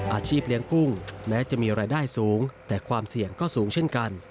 อาชีพเลี้ยงกุ้งแม้จะมีรายได้สูงแต่ความเสี่ยงก็สูงเช่นกัน